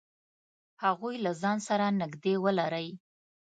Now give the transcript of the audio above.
هغوی له ځان سره نږدې ولری.